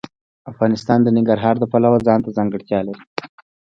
افغانستان د ننګرهار د پلوه ځانته ځانګړتیا لري.